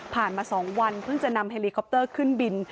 มา๒วันเพิ่งจะนำเฮลิคอปเตอร์ขึ้นบิน